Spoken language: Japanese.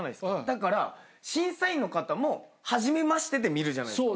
だから審査員の方も初めましてで見るじゃないですか。